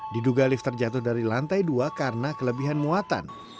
diduga lift terjatuh dari lantai dua karena kelebihan muatan